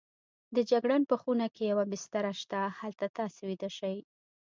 د جګړن په خونه کې یوه بستره شته، هلته تاسې ویده شئ.